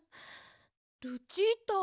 ルチータ。